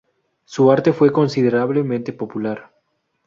Su arte fue considerablemente popular.